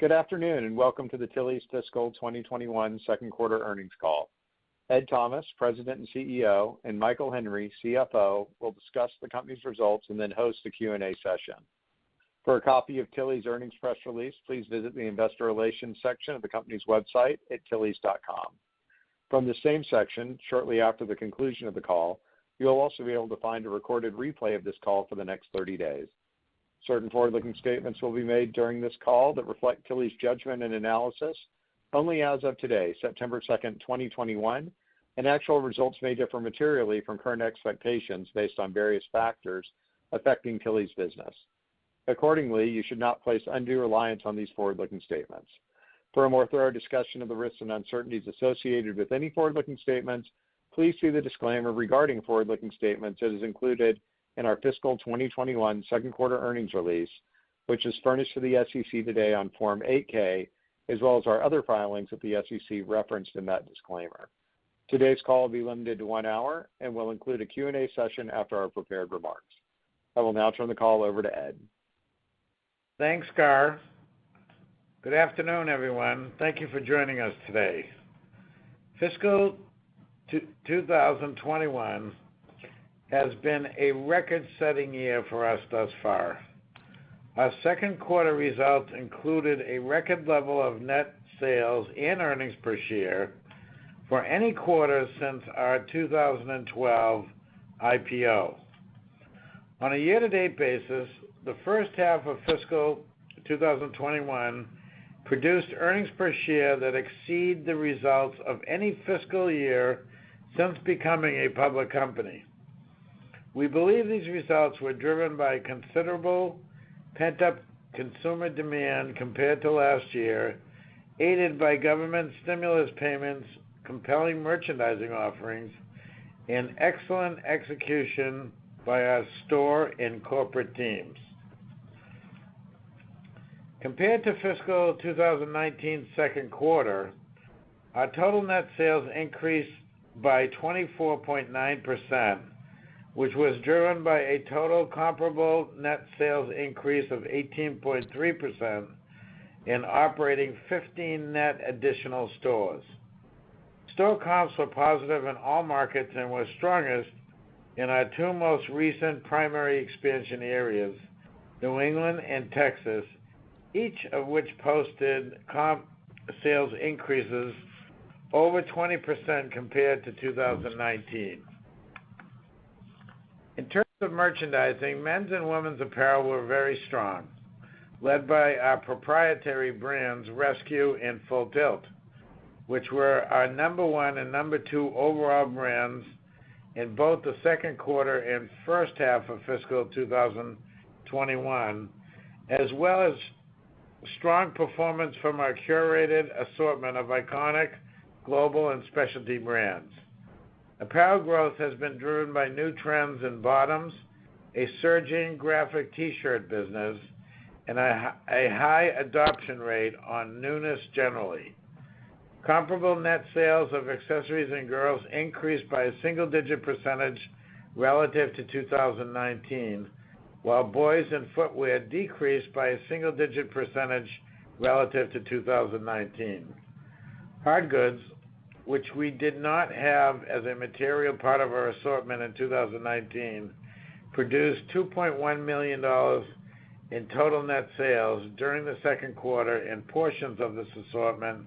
Good afternoon, and welcome to the Tilly's Fiscal 2022 second quarter earnings call. Edmond Thomas, President and CEO, and Michael Henry, CFO, will discuss the company's results and then host a Q&A session. For a copy of Tilly's earnings press release, please visit the investor relations section of the company's website at tillys.com. From the same section, shortly after the conclusion of the call, you'll also be able to find a recorded replay of this call for the next 30 days. Certain forward-looking statements will be made during this call that reflect Tilly's judgment and analysis only as of today, September 2nd, 2021, and actual results may differ materially from current expectations based on various factors affecting Tilly's business. Accordingly, you should not place undue reliance on these forward-looking statements. For a more thorough discussion of the risks and uncertainties associated with any forward-looking statements, please see the disclaimer regarding forward-looking statements that is included in our fiscal 2021 second quarter earnings release, which is furnished to the SEC today on Form 8-K, as well as our other filings with the SEC referenced in that disclaimer. Today's call will be limited to one hour and will include a Q&A session after our prepared remarks. I will now turn the call over to Edmond. Thanks, Gar. Good afternoon, everyone. Thank you for joining us today. Fiscal 2022 has been a record-setting year for us thus far. Our second quarter results included a record level of net sales and earnings per share for any quarter since our 2012 IPO. On a year-to-date basis, the first half of Fiscal 2021 produced earnings per share that exceed the results of any fiscal year since becoming a public company. We believe these results were driven by considerable pent-up consumer demand compared to last year, aided by government stimulus payments, compelling merchandising offerings, and excellent execution by our store and corporate teams. Compared to Fiscal 2019's second quarter, our total net sales increased by 24.9%, which was driven by a total comparable net sales increase of 18.3% and operating 15 net additional stores. Store comps were positive in all markets and were strongest in our two most recent primary expansion areas, New England and Texas, each of which posted comp sales increases over 20% compared to 2019. In terms of merchandising, men's and women's apparel were very strong, led by our proprietary brands, RSQ and Full Tilt, which were our number one and number two overall brands in both the second quarter and first half of Fiscal 2021, as well as strong performance from our curated assortment of iconic global and specialty brands. Apparel growth has been driven by new trends in bottoms, a surging graphic T-shirt business, and a high adoption rate on newness generally. Comparable net sales of accessories in girls increased by a single-digit percentage relative to 2019, while boys and footwear decreased by a single-digit percentage relative to 2019. Hard goods, which we did not have as a material part of our assortment in 2019, produced $2.1 million in total net sales during the second quarter, and portions of this assortment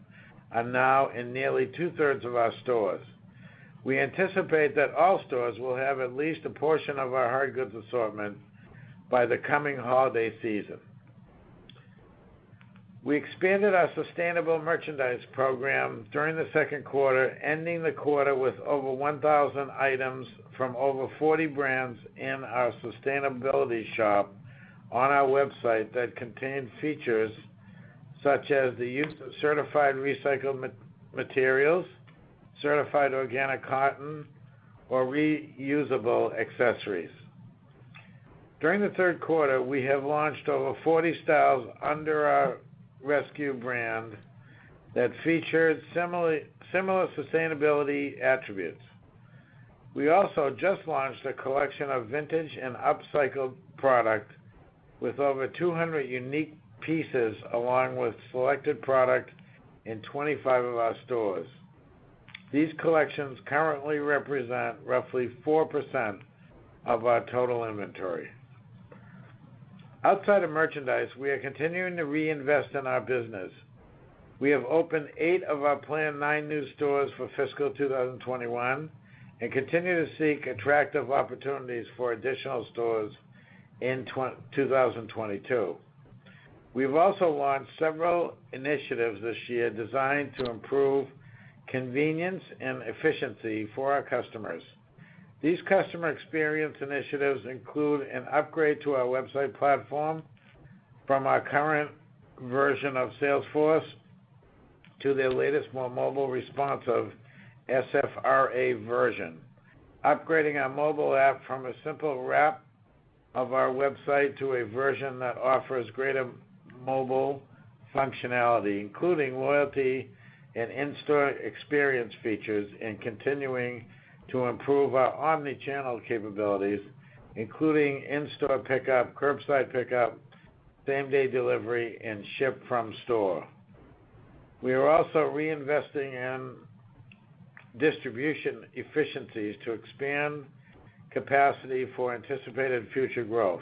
are now in nearly two-thirds of our stores. We anticipate that all stores will have at least a portion of our hard goods assortment by the coming holiday season. We expanded our sustainable merchandise program during the second quarter, ending the quarter with over 1,000 items from over 40 brands in our sustainability shop on our website that contain features such as the use of certified recycled materials, certified organic cotton, or reusable accessories. During the third quarter, we have launched over 40 styles under our RSQ brand that featured similar sustainability attributes. We also just launched a collection of vintage and upcycled product with over 200 unique pieces, along with selected product in 25 of our stores. These collections currently represent roughly 4% of our total inventory. Outside of merchandise, we are continuing to reinvest in our business. We have opened eight of our planned nine new stores for Fiscal 2021 and continue to seek attractive opportunities for additional stores in 2022. We've also launched several initiatives this year designed to improve convenience and efficiency for our customers. These customer experience initiatives include an upgrade to our website platform from our current version of Salesforce to their latest, more mobile responsive SFRA version, upgrading our mobile app from a simple wrap of our website to a version that offers greater mobile functionality, including loyalty and in-store experience features, and continuing to improve our omnichannel capabilities, including in-store pickup, curbside pickup, same-day delivery, and ship from store. We are also reinvesting in distribution efficiencies to expand capacity for anticipated future growth.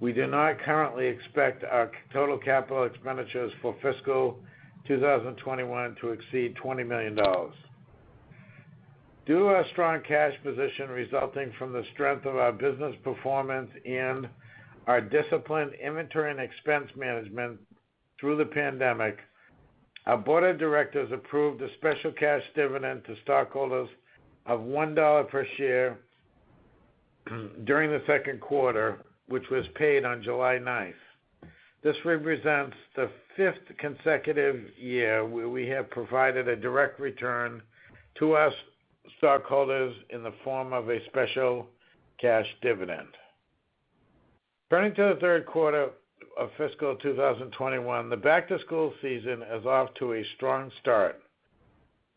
We do not currently expect our total capital expenditures for Fiscal 2021 to exceed $20 million. Due to our strong cash position resulting from the strength of our business performance and our disciplined inventory and expense management through the pandemic, our board of directors approved a special cash dividend to stockholders of $1 per share during the second quarter, which was paid on July 9th. This represents the fifth consecutive year where we have provided a direct return to our stockholders in the form of a special cash dividend. Turning to the third quarter of Fiscal 2021, the back-to-school season is off to a strong start.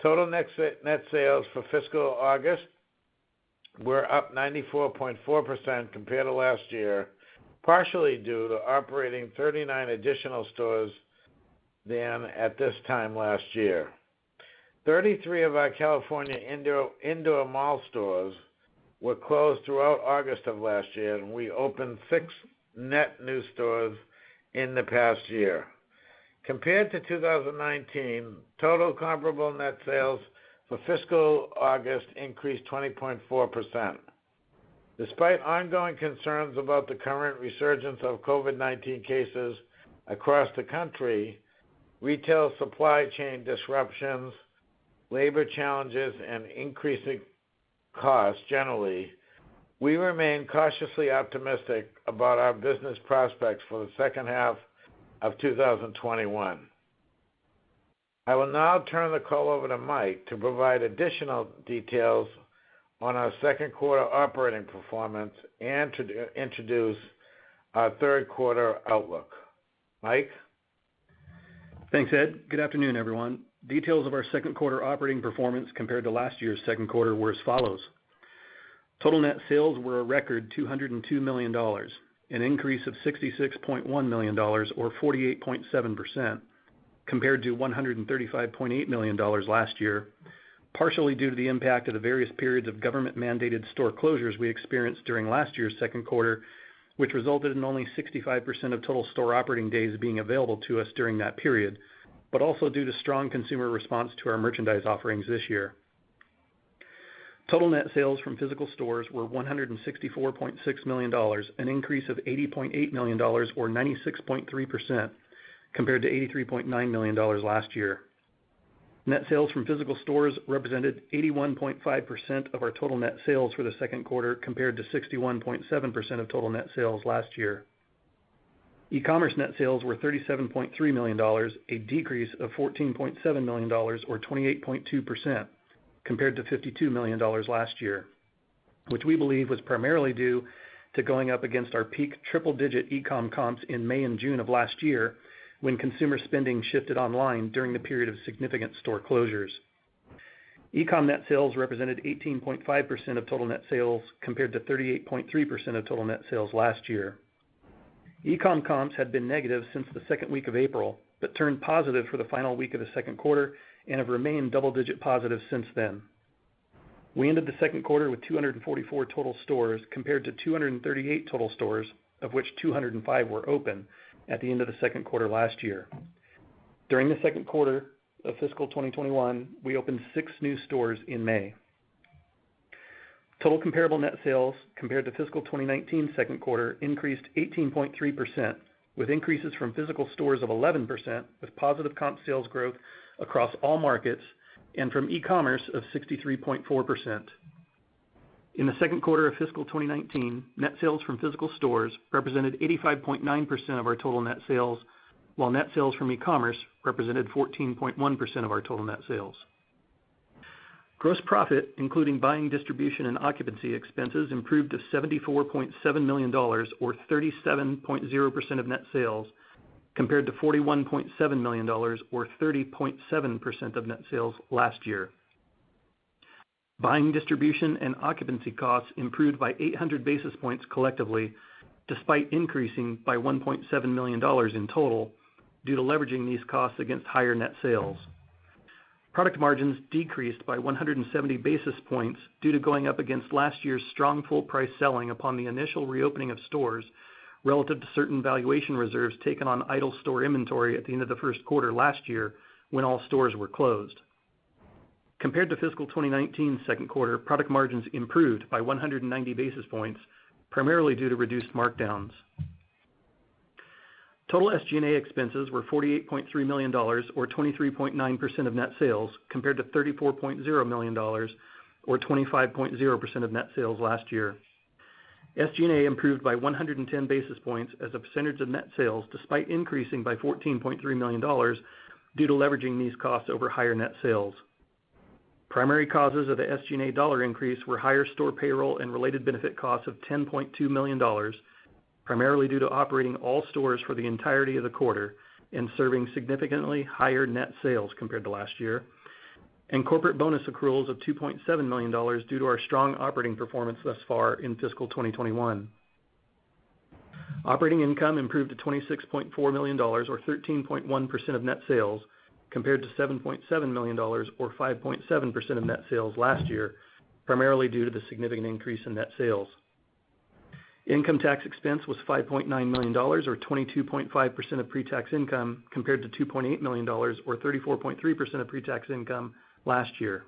Total net sales for Fiscal August were up 94.4% compared to last year, partially due to operating 39 additional stores than at this time last year. 33 of our California indoor mall stores were closed throughout August of last year, and we opened six net new stores in the past year. Compared to 2019, total comparable net sales for fiscal August increased 20.4%. Despite ongoing concerns about the current resurgence of COVID-19 cases across the country, retail supply chain disruptions, labor challenges, and increasing costs generally, we remain cautiously optimistic about our business prospects for the second half of 2021. I will now turn the call over to Michael to provide additional details on our second quarter operating performance and to introduce our third quarter outlook. Michael? Thanks, Edmond. Good afternoon, everyone. Details of our second quarter operating performance compared to last year's second quarter were as follows. Total net sales were a record $202 million, an increase of $66.1 million or 48.7% compared to $135.8 million last year, partially due to the impact of the various periods of government-mandated store closures we experienced during last year's second quarter, which resulted in only 65% of total store operating days being available to us during that period, but also due to strong consumer response to our merchandise offerings this year. Total net sales from physical stores were $164.6 million, an increase of $80.8 million or 96.3% compared to $83.9 million last year. Net sales from physical stores represented 81.5% of our total net sales for the second quarter, compared to 61.7% of total net sales last year. E-commerce net sales were $37.3 million, a decrease of $14.7 million or 28.2% compared to $52 million last year, which we believe was primarily due to going up against our peak triple-digit e-com comps in May and June of last year when consumer spending shifted online during the period of significant store closures. E-com net sales represented 18.5% of total net sales, compared to 38.3% of total net sales last year. E-com comps had been negative since the second week of April, but turned positive for the final week of the second quarter and have remained double-digit positive since then. We ended the second quarter with 244 total stores compared to 238 total stores, of which 205 were open at the end of the second quarter last year. During the second quarter of Fiscal 2021, we opened six new stores in May. Total comparable net sales compared to Fiscal 2019 second quarter increased 18.3%, with increases from physical stores of 11%, with positive comp sales growth across all markets, and from e-commerce of 63.4%. In the second quarter of Fiscal 2019, net sales from physical stores represented 85.9% of our total net sales, while net sales from e-commerce represented 14.1% of our total net sales. Gross profit, including buying, distribution, and occupancy expenses, improved to $74.7 million or 37.0% of net sales, compared to $41.7 million or 30.7% of net sales last year. Buying, distribution, and occupancy costs improved by 800 basis points collectively, despite increasing by $1.7 million in total due to leveraging these costs against higher net sales. Product margins decreased by 170 basis points due to going up against last year's strong full price selling upon the initial reopening of stores relative to certain valuation reserves taken on idle store inventory at the end of the first quarter last year when all stores were closed. Compared to Fiscal 2019's second quarter, product margins improved by 190 basis points, primarily due to reduced markdowns. Total SG&A expenses were $48.3 million or 23.9% of net sales, compared to $34.0 million or 25.0% of net sales last year. SG&A improved by 110 basis points as a percentage of net sales, despite increasing by $14.3 million due to leveraging these costs over higher net sales. Primary causes of the SG&A dollar increase were higher store payroll and related benefit costs of $10.2 million, primarily due to operating all stores for the entirety of the quarter and serving significantly higher net sales compared to last year, and corporate bonus accruals of $2.7 million due to our strong operating performance thus far in fiscal 2021. Operating income improved to $26.4 million or 13.1% of net sales, compared to $7.7 million or 5.7% of net sales last year, primarily due to the significant increase in net sales. Income tax expense was $5.9 million or 22.5% of pre-tax income, compared to $2.8 million or 34.3% of pre-tax income last year.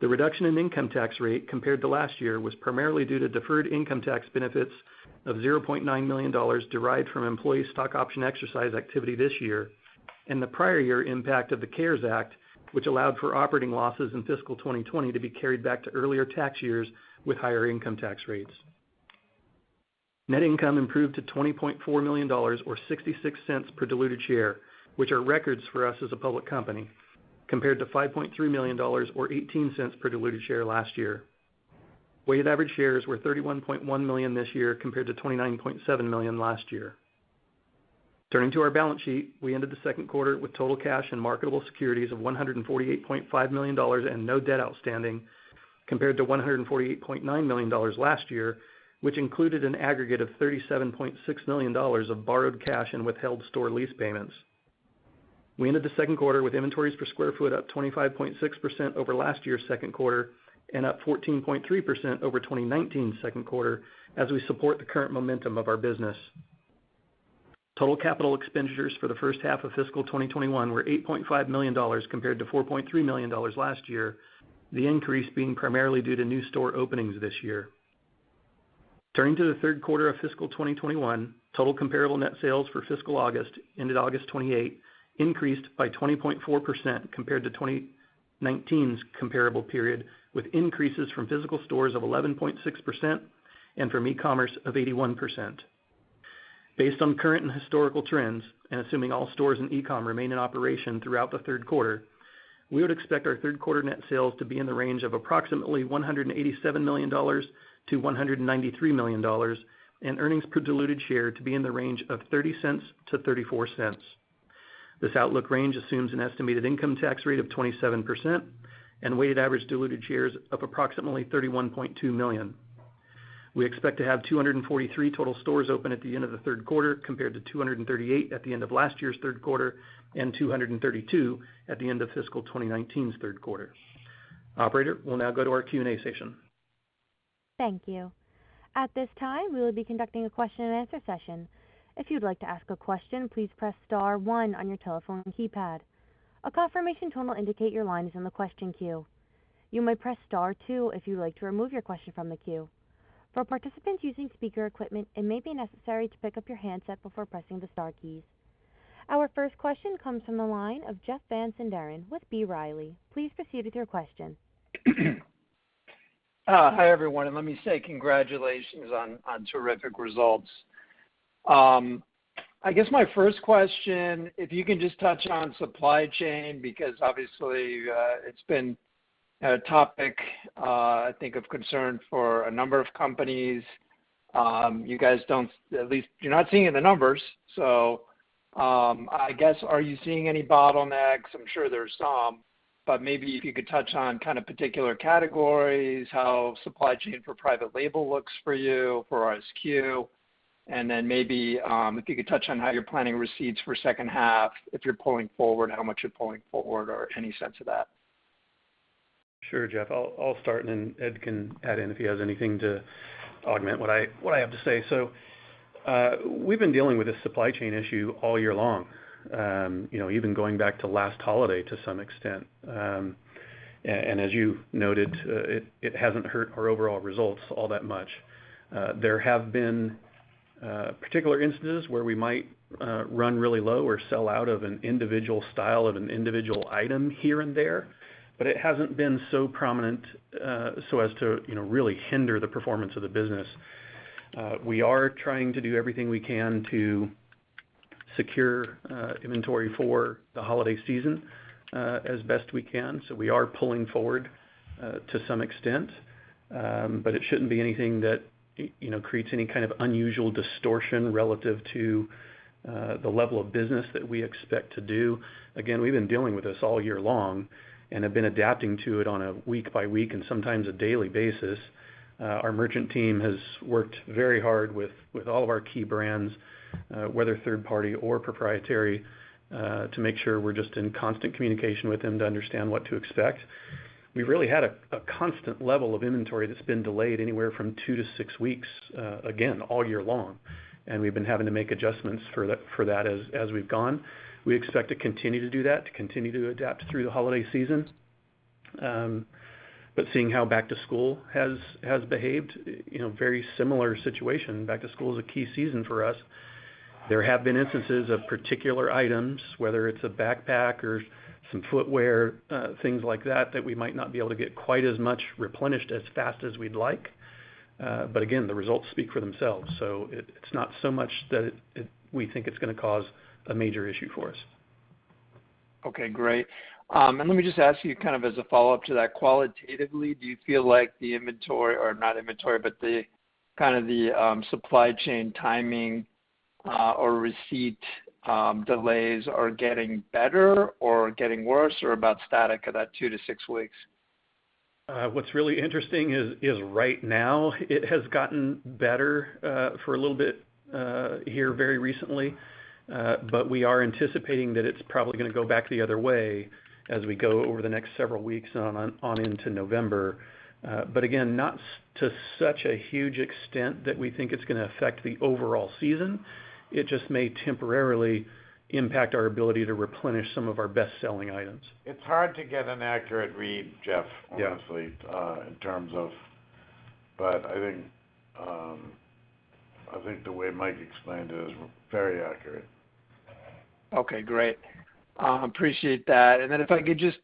The reduction in income tax rate compared to last year was primarily due to deferred income tax benefits of $0.9 million derived from employee stock option exercise activity this year, and the prior year impact of the CARES Act, which allowed for operating losses in Fiscal 2020 to be carried back to earlier tax years with higher income tax rates. Net income improved to $20.4 million or $0.66 per diluted share, which are records for us as a public company, compared to $5.3 million or $0.18 per diluted share last year. Weighted average shares were 31.1 million this year, compared to 29.7 million last year. Turning to our balance sheet, we ended the second quarter with total cash and marketable securities of $148.5 million and no debt outstanding, compared to $148.9 million last year, which included an aggregate of $37.6 million of borrowed cash and withheld store lease payments. We ended the second quarter with inventories per square foot up 25.6% over last year's second quarter, and up 14.3% over 2019's second quarter, as we support the current momentum of our business. Total capital expenditures for the first half of fiscal 2021 were $8.5 million compared to $4.3 million last year, the increase being primarily due to new store openings this year. Turning to the third quarter of fiscal 2021, total comparable net sales for fiscal August, ended August 28th, increased by 20.4% compared to 2019's comparable period, with increases from physical stores of 11.6% and from e-commerce of 81%. Based on current and historical trends, and assuming all stores and e-com remain in operation throughout the third quarter, we would expect our third quarter net sales to be in the range of approximately $187 million-$193 million, and earnings per diluted share to be in the range of $0.30-$0.34. This outlook range assumes an estimated income tax rate of 27% and weighted average diluted shares of approximately 31.2 million. We expect to have 243 total stores open at the end of the third quarter, compared to 238 at the end of last year's third quarter, and 232 at the end of fiscal 2019's third quarter. Operator, we'll now go to our Q&A session. Thank you. At this time, we will be conducting a question and answer session. If you'd like to ask a question, please press star one on your telephone keypad. A confirmation tone will indicate your line is in the question queue. You may press star two if you'd like to remove your question from the queue. For participants using speaker equipment, it may be necessary to pick up your handset before pressing the star keys. Our first question comes from the line of Jeff Van Sinderen with B. Riley. Please proceed with your question. Hi, everyone. Let me say congratulations on terrific results. I guess my first question, if you can just touch on supply chain, because obviously, it's been a topic, I think of concern for a number of companies. You guys, at least you're not seeing it in the numbers. I guess, are you seeing any bottlenecks? I'm sure there's some, but maybe if you could touch on kind of particular categories, how supply chain for private label looks for you, for RSQ, and then maybe if you could touch on how you're planning receipts for second half, if you're pulling forward, how much you're pulling forward or any sense of that? Sure, Jeff Van Sinderen. I'll start and then Edmond can add in if he has anything to augment what I have to say. We've been dealing with this supply chain issue all year long, even going back to last holiday to some extent. As you noted, it hasn't hurt our overall results all that much. There have been particular instances where we might run really low or sell out of an individual style of an individual item here and there, but it hasn't been so prominent so as to really hinder the performance of the business. We are trying to do everything we can to secure inventory for the holiday season as best we can. We are pulling forward to some extent, but it shouldn't be anything that creates any kind of unusual distortion relative to the level of business that we expect to do. We've been dealing with this all year long and have been adapting to it on a week-by-week and sometimes a daily basis. Our merchant team has worked very hard with all of our key brands, whether third party or proprietary, to make sure we're just in constant communication with them to understand what to expect. We've really had a constant level of inventory that's been delayed anywhere from two to six weeks, again, all year long, and we've been having to make adjustments for that as we've gone. We expect to continue to do that, to continue to adapt through the holiday season. Seeing how back to school has behaved, very similar situation. Back to school is a key season for us. There have been instances of particular items, whether it's a backpack or some footwear, things like that we might not be able to get quite as much replenished as fast as we'd like. Again, the results speak for themselves. It's not so much that we think it's going to cause a major issue for us. Okay, great. Let me just ask you kind of as a follow-up to that, qualitatively, do you feel like the inventory, or not inventory, but the kind of the supply chain timing or receipt delays are getting better or getting worse or about static at that two to six weeks? What's really interesting is right now it has gotten better for a little bit here very recently. We are anticipating that it's probably going to go back the other way as we go over the next several weeks and on into November. Again, not to such a huge extent that we think it's going to affect the overall season. It just may temporarily impact our ability to replenish some of our best-selling items. It's hard to get an accurate read, Jeff. I think the way Michael explained it is very accurate. Okay, great. Appreciate that. If I could just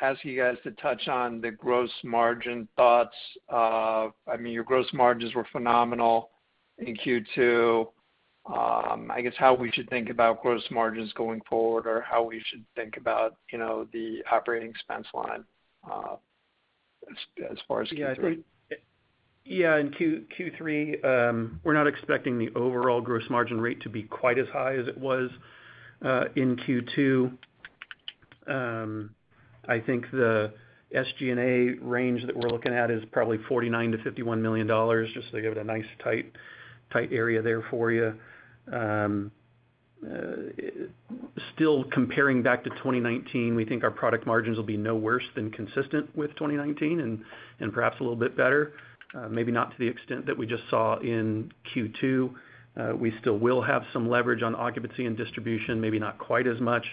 ask you guys to touch on the gross margin thoughts. Your gross margins were phenomenal in Q2. I guess how we should think about gross margins going forward or how we should think about the operating expense line, as far as Q3. Yeah. In Q3, we're not expecting the overall gross margin rate to be quite as high as it was in Q2. I think the SG&A range that we're looking at is probably $49 million-$51 million, just to give it a nice tight area there for you. Still comparing back to 2019, we think our product margins will be no worse than consistent with 2019 and perhaps a little bit better. Maybe not to the extent that we just saw in Q2. We still will have some leverage on occupancy and distribution, maybe not quite as much,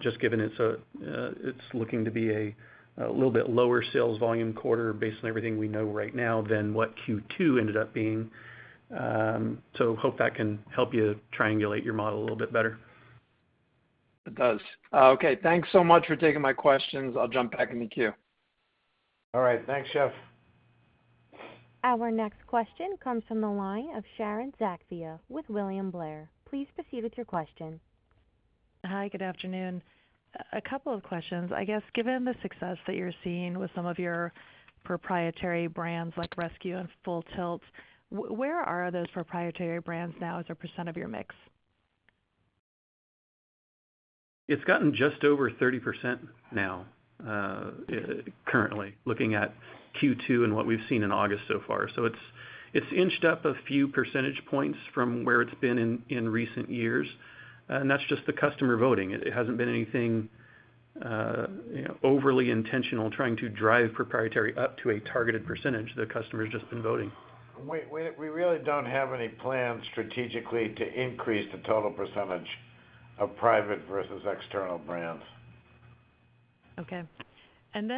just given it's looking to be a little bit lower sales volume quarter based on everything we know right now than what Q2 ended up being. Hope that can help you triangulate your model a little bit better. It does. Okay. Thanks so much for taking my questions. I'll jump back in the queue. All right. Thanks, Jeff. Our next question comes from the line of Sharon Zackfia with William Blair. Please proceed with your question. Hi, good afternoon. A couple of questions. I guess given the success that you're seeing with some of your proprietary brands like RSQ and Full Tilt, where are those proprietary brands now as a percent of your mix? It's gotten just over 30% now, currently, looking at Q2 and what we've seen in August so far. It's inched up a few percentage points from where it's been in recent years. That's just the customer voting. It hasn't been anything overly intentional, trying to drive proprietary up to a targeted percentage. The customer's just been voting. We really don't have any plans strategically to increase the total percentage of private versus external brands. Okay. On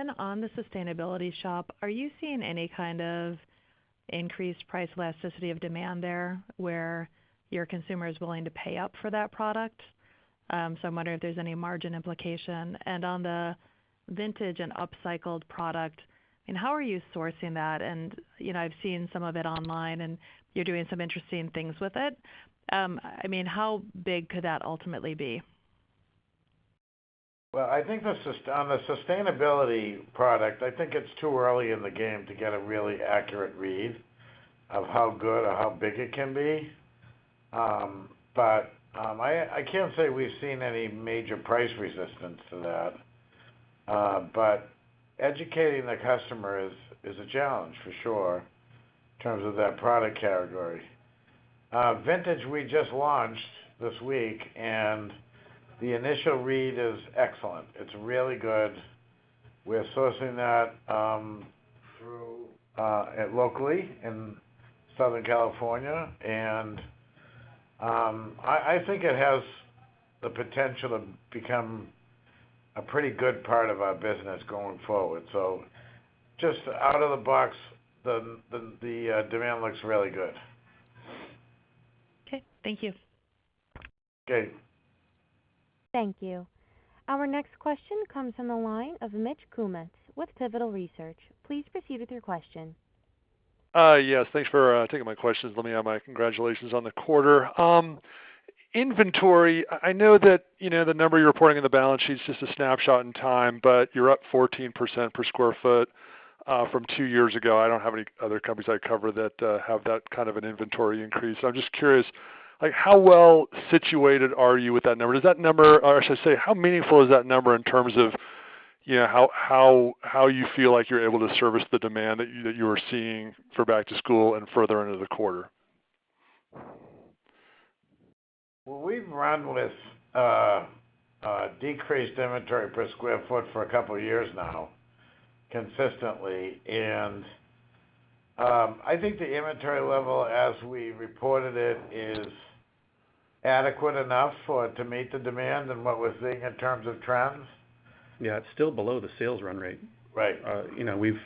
the sustainability shop, are you seeing any kind of increased price elasticity of demand there, where your consumer is willing to pay up for that product? I'm wondering if there's any margin implication, and on the vintage and upcycled product, and how are you sourcing that? I've seen some of it online, and you're doing some interesting things with it. How big could that ultimately be? On the sustainability product, I think it's too early in the game to get a really accurate read of how good or how big it can be. I can't say we've seen any major price resistance to that. Educating the customer is a challenge for sure in terms of that product category. Vintage we just launched this week, and the initial read is excellent. It's really good. We're sourcing that locally in Southern California, and I think it has the potential to become a pretty good part of our business going forward. Just out of the box, the demand looks really good. Okay. Thank you. Okay. Thank you. Our next question comes from the line of Mitch Kummetz with Seaport Research Partners. Please proceed with your question. Yes. Thanks for taking my questions. Let me add my congratulations on the quarter. Inventory, I know that the number you're reporting in the balance sheet is just a snapshot in time, but you're up 14% per square foot from two years ago. I don't have any other companies I cover that have that kind of an inventory increase. I'm just curious, how well situated are you with that number? I should say, how meaningful is that number in terms of how you feel like you're able to service the demand that you are seeing for back to school and further into the quarter? We've run with decreased inventory per square foot for a couple of years now, consistently, and I think the inventory level as we reported it is adequate enough for it to meet the demand and what we're seeing in terms of trends. Yeah. It's still below the sales run rate. Right.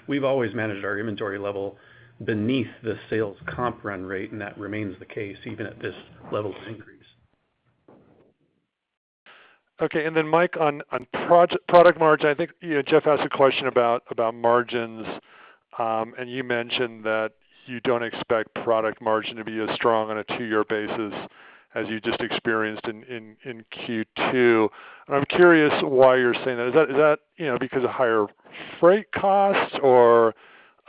We've always managed our inventory level beneath the sales comp run rate, and that remains the case even at this level of increase. Okay. Then Michael, on product margin, I think Jeff asked a question about margins. You mentioned that you don't expect product margin to be as strong on a two-year basis as you just experienced in Q2. I'm curious why you're saying that. Is that because of higher freight costs?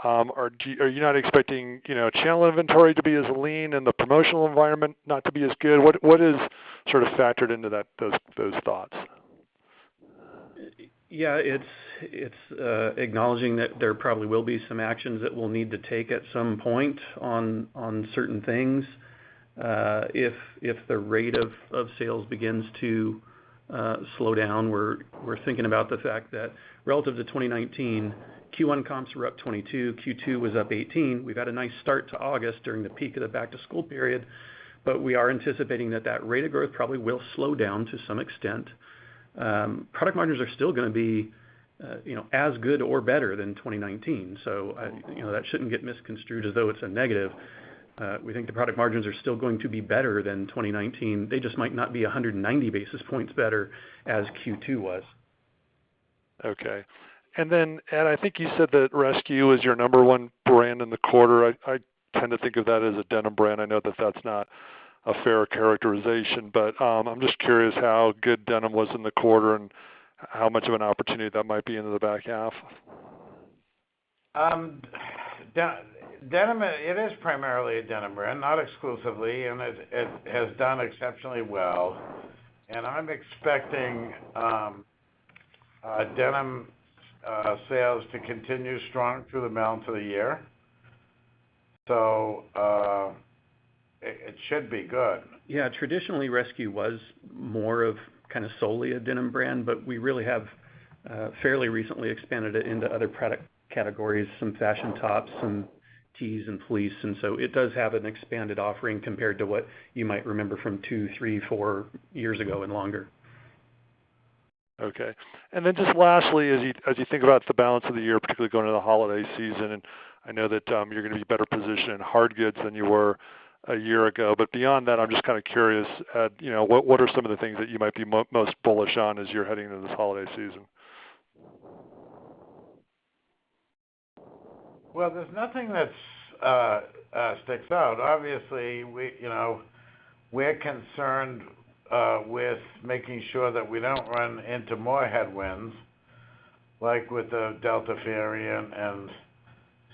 Are you not expecting channel inventory to be as lean and the promotional environment not to be as good? What is factored into those thoughts? It's acknowledging that there probably will be some actions that we'll need to take at some point on certain things. If the rate of sales begins to slow down, we're thinking about the fact that relative to 2019, Q1 comps were up 22%, Q2 was up 18%. We've had a nice start to August during the peak of the back-to-school period. We are anticipating that that rate of growth probably will slow down to some extent. Product margins are still going to be as good or better than 2019. That shouldn't get misconstrued as though it's a negative. We think the product margins are still going to be better than 2019. They just might not be 190 basis points better as Q2 was. Okay. Edmond, I think you said that RSQ is your number one brand in the quarter. I tend to think of that as a denim brand. I know that that's not a fair characterization, but I'm just curious how good denim was in the quarter and how much of an opportunity that might be into the back half. Denim, it is primarily a denim brand, not exclusively, and it has done exceptionally well. I'm expecting denim sales to continue strong through the balance of the year. It should be good. Yeah. Traditionally, RSQ was more of solely a denim brand, but we really have fairly recently expanded it into other product categories, some fashion tops, some tees and fleece. It does have an expanded offering compared to what you might remember from two, three, four years ago and longer. Okay. Just lastly, as you think about the balance of the year, particularly going into the holiday season, and I know that you're going to be better positioned in hard goods than you were a year ago, but beyond that, I'm just curious, Edmond, what are some of the things that you might be most bullish on as you're heading into this holiday season? Well, there's nothing that sticks out. Obviously, we're concerned with making sure that we don't run into more headwinds, like with the Delta variant, and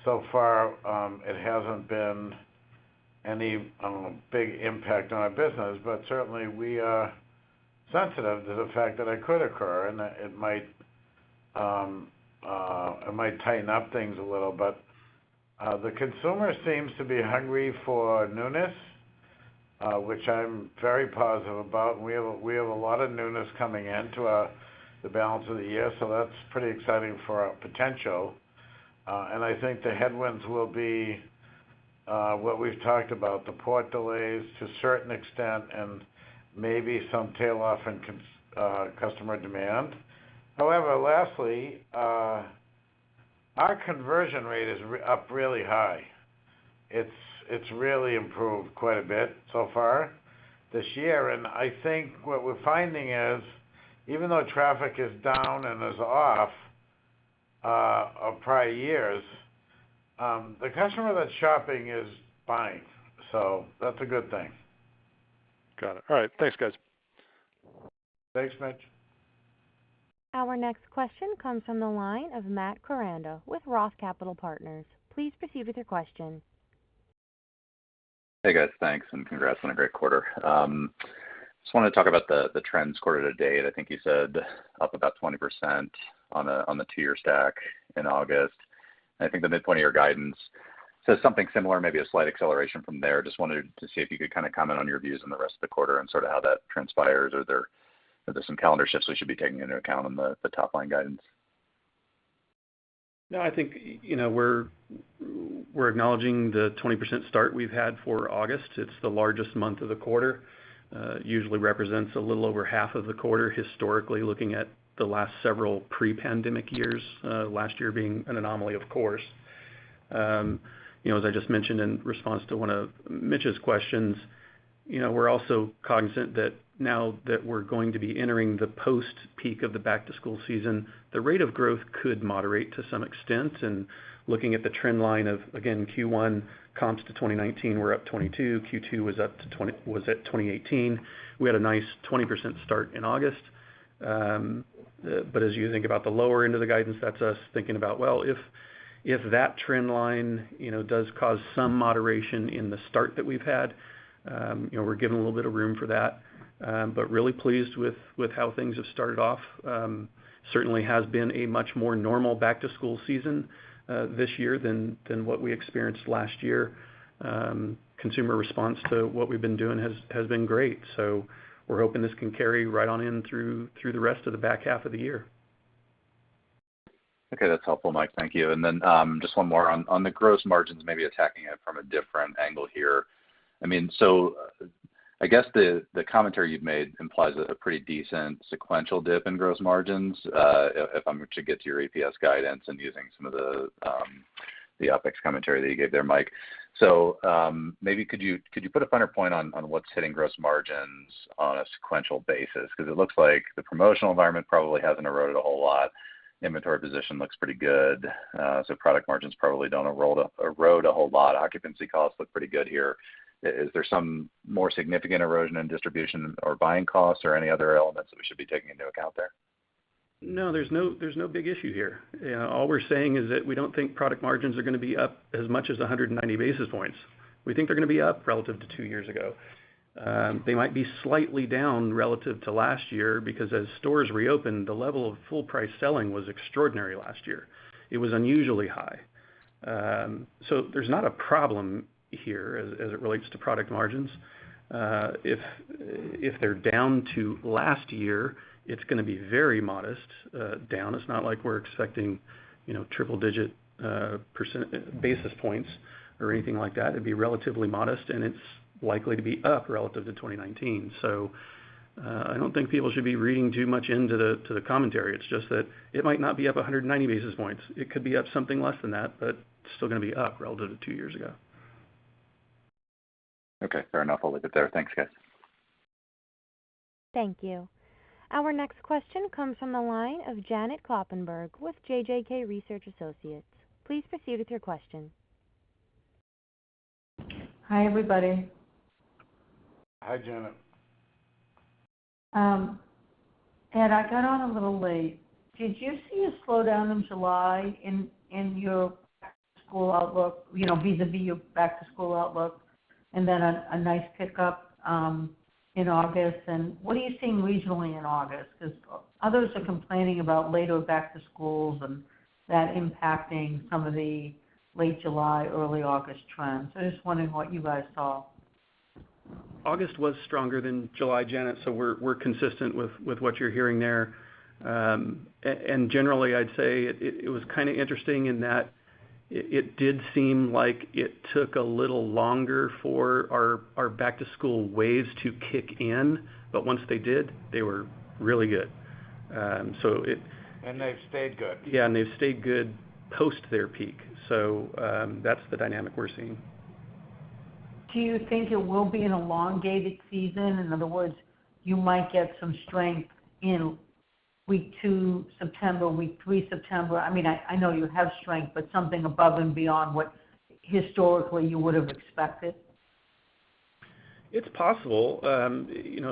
so far, it hasn't been any big impact on our business. Certainly, we are sensitive to the fact that it could occur, and it might tighten up things a little. The consumer seems to be hungry for newness, which I'm very positive about, and we have a lot of newness coming into the balance of the year, so that's pretty exciting for our potential. I think the headwinds will be what we've talked about, the port delays to a certain extent, and maybe some tail-off in customer demand. Lastly, our conversion rate is up really high. It's really improved quite a bit so far this year, and I think what we're finding is even though traffic is down and is off of prior years, the customer that's shopping is buying. That's a good thing. Got it. All right. Thanks, guys. Thanks, Mitch. Our next question comes from the line of Matthew Koranda with ROTH Capital Partners. Please proceed with your question. Hey, guys. Thanks, and congrats on a great quarter. Just wanted to talk about the trends quarter to date. I think you said up about 20% on the two-year stack in August. I think the midpoint of your guidance says something similar, maybe a slight acceleration from there. Just wanted to see if you could comment on your views on the rest of the quarter and how that transpires. Are there some calendar shifts we should be taking into account on the top-line guidance? No, I think we're acknowledging the 20% start we've had for August. It's the largest month of the quarter. Usually represents a little over half of the quarter historically, looking at the last several pre-pandemic years. Last year being an anomaly, of course. As I just mentioned in response to one of Mitch's questions, we're also cognizant that now that we're going to be entering the post-peak of the back-to-school season, the rate of growth could moderate to some extent, and looking at the trend line of, again, Q1 comps to 2019, we're up 22%. Q2 was at 2018. We had a nice 20% start in August. As you think about the lower end of the guidance, that's us thinking about, well, if that trend line does cause some moderation in the start that we've had, we're giving a little bit of room for that. Really pleased with how things have started off. Certainly has been a much more normal back-to-school season this year than what we experienced last year. Consumer response to what we've been doing has been great. We're hoping this can carry right on in through the rest of the back half of the year. Okay. That's helpful, Michael. Thank you. Then just one more on the gross margins, maybe attacking it from a different angle here. I guess the commentary you've made implies a pretty decent sequential dip in gross margins, if I'm to get to your EPS guidance and using some of the OpEx commentary that you gave there, Mike. Maybe could you put a finer point on what's hitting gross margins on a sequential basis? Because it looks like the promotional environment probably hasn't eroded a whole lot. Inventory position looks pretty good. Product margins probably don't erode a whole lot. Occupancy costs look pretty good here. Is there some more significant erosion in distribution or buying costs or any other elements that we should be taking into account there? No, there's no big issue here. All we're saying is that we don't think product margins are going to be up as much as 190 basis points. We think they're going to be up relative to two years ago. They might be slightly down relative to last year because as stores reopened, the level of full price selling was extraordinary last year. It was unusually high. There's not a problem here as it relates to product margins. If they're down to last year, it's going to be very modest down. It's not like we're expecting triple-digit basis points or anything like that. It'd be relatively modest, and it's likely to be up relative to 2019. I don't think people should be reading too much into the commentary. It's just that it might not be up 190 basis points. It could be up something less than that, but still going to be up relative to two years ago. Okay, fair enough. I'll leave it there. Thanks, guys. Thank you. Our next question comes from the line of Janet J. Kloppenburg with JJK Research Associates. Please proceed with your question. Hi, everybody. Hi, Janet. Edmond, I got on a little late. Did you see a slowdown in July in your back-to-school outlook, vis-a-vis your back-to-school outlook, and then a nice pickup in August? What are you seeing regionally in August? Because others are complaining about later back to schools and that impacting some of the late July, early August trends. I just wondering what you guys saw. August was stronger than July, Janet, we're consistent with what you're hearing there. Generally, I'd say it was kind of interesting in that it did seem like it took a little longer for our back-to-school waves to kick in, but once they did, they were really good. They've stayed good. Yeah, they've stayed good post their peak. That's the dynamic we're seeing. Do you think it will be an elongated season? In other words, you might get some strength in week two September, week three September. I know you have strength, but something above and beyond what historically you would have expected. It's possible,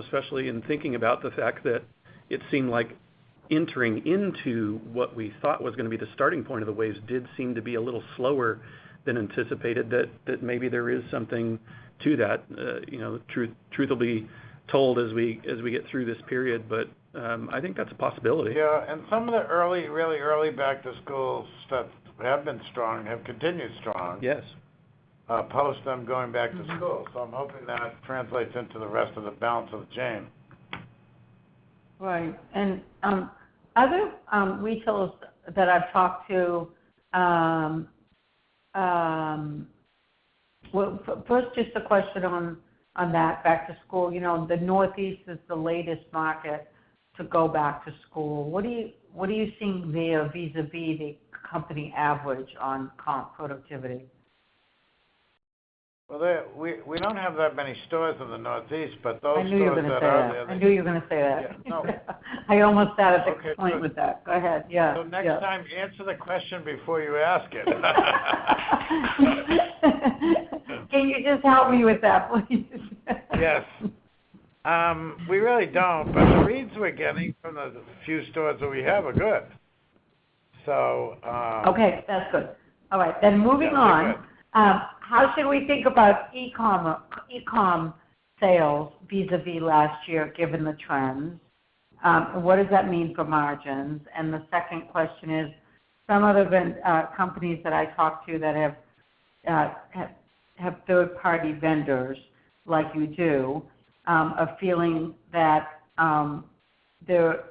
especially in thinking about the fact that it seemed like entering into what we thought was going to be the starting point of the waves did seem to be a little slower than anticipated that maybe there is something to that. Truth will be told as we get through this period, but, I think that's a possibility. Yeah. Some of the early, really early back to school stuff have been strong, have continued strong. Yes Post them going back to school. I'm hoping that translates into the rest of the balance of the chain. Right. Other retailers that I've talked to, well, first, just a question on that back to school. The Northeast is the latest market to go back to school. What are you seeing there vis-a-vis the company average on comp productivity? Well, we don't have that many stores in the Northeast, but those stores that are there. I knew you were going to say that. I almost added a point with that. Go ahead. Yeah. Next time answer the question before you ask it. Can you just help me with that, please? Yes. We really don't. The reads we're getting from the few stores that we have are good. Okay, that's good. All right. Moving on. Yeah, pretty good. how should we think about e-com sales vis-a-vis last year, given the trends? What does that mean for margins? The second question is, some other companies that I talk to that have third-party vendors like you do, are feeling that their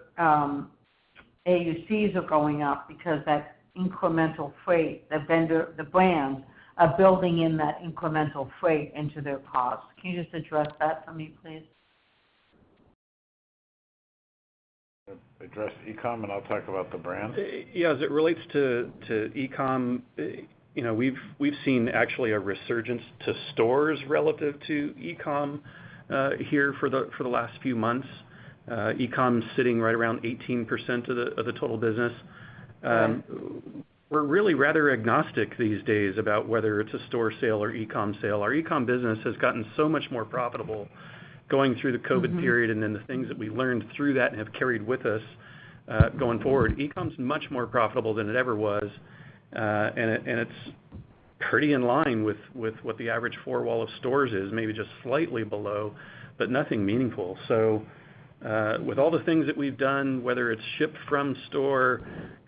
AUCs are going up because that incremental freight, the brands, are building in that incremental freight into their costs. Can you just address that for me, please? Address e-com, and I'll talk about the brands. Yeah, as it relates to e-com, we've seen actually a resurgence to stores relative to e-com here for the last few months. E-com's sitting right around 18% of the total business. We're really rather agnostic these days about whether it's a store sale or e-com sale. Our e-com business has gotten so much more profitable going through the COVID-19 period, and then the things that we learned through that and have carried with us going forward. E-com's much more profitable than it ever was. It's pretty in line with what the average four wall of stores is, maybe just slightly below, but nothing meaningful. With all the things that we've done, whether it's ship from store,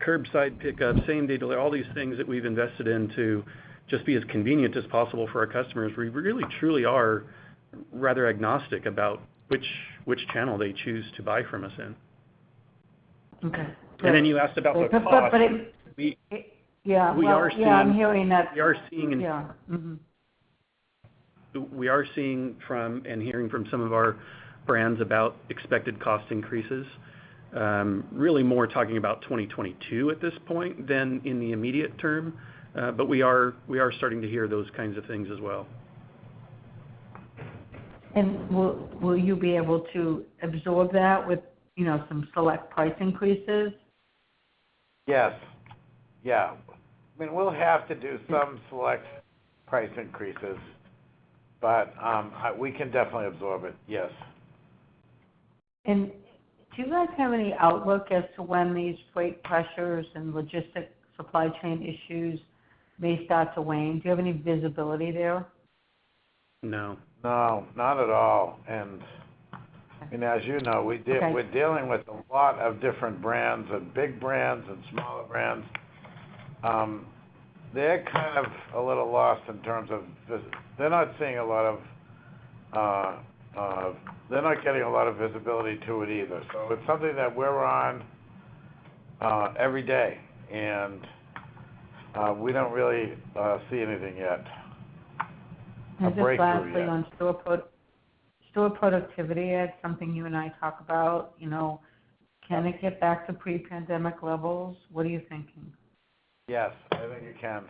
curbside pickup, same-day delivery, all these things that we've invested in to just be as convenient as possible for our customers, we really truly are rather agnostic about which channel they choose to buy from us in. Okay. Great. Then you asked about the cost- Yeah. We are seeing. Yeah, I'm hearing that. We are seeing- Yeah. Mm-hmm We are seeing from and hearing from some of our brands about expected cost increases. Really more talking about 2022 at this point than in the immediate term. We are starting to hear those kinds of things as well. Will you be able to absorb that with some select price increases? Yes. We'll have to do some select price increases, but we can definitely absorb it. Yes. Do you guys have any outlook as to when these freight pressures and logistic supply chain issues may start to wane? Do you have any visibility there? No. No, not at all. Okay We're dealing with a lot of different brands, big brands and smaller brands. They're kind of a little lost in terms of, they're not getting a lot of visibility to it either. It's something that we're on every day, and we don't really see anything yet, a breakthrough yet. Just lastly, on store productivity, Edmond, something you and I talk about. Can it get back to pre-pandemic levels? What are you thinking? Yes, I think it can.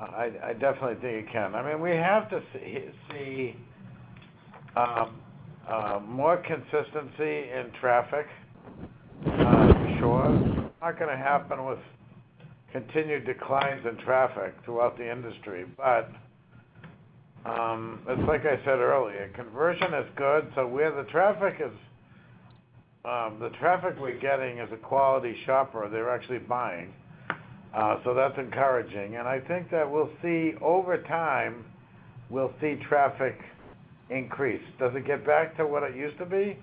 I definitely think it can. We have to see more consistency in traffic, for sure. It's not going to happen with continued declines in traffic throughout the industry. It's like I said earlier, conversion is good. The traffic we're getting is a quality shopper. They're actually buying. That's encouraging, and I think that over time, we'll see traffic increase. Does it get back to what it used to be?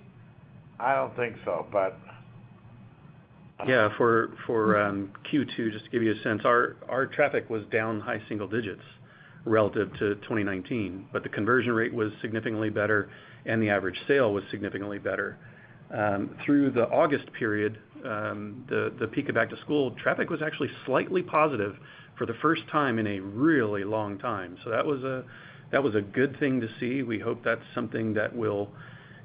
I don't think so. For Q2, just to give you a sense, our traffic was down high single digits relative to 2019, but the conversion rate was significantly better, and the average sale was significantly better. Through the August period, the peak of back to school, traffic was actually slightly positive for the first time in a really long time. That was a good thing to see. We hope that's something that will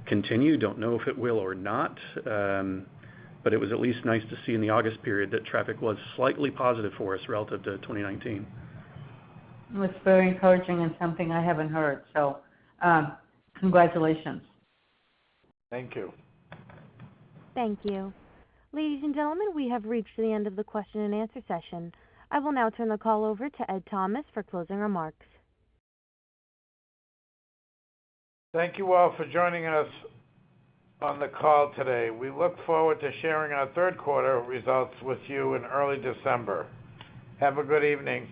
continue. Don't know if it will or not. It was at least nice to see in the August period that traffic was slightly positive for us relative to 2019. That's very encouraging and something I haven't heard. Congratulations. Thank you. Thank you. Ladies and gentlemen, we have reached the end of the question and answer session. I will now turn the call over to Edmond Thomas for closing remarks. Thank you all for joining us on the call today. We look forward to sharing our third quarter results with you in early December. Have a good evening.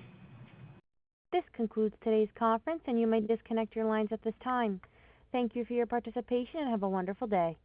This concludes today's conference. You may disconnect your lines at this time. Thank you for your participation. Have a wonderful day.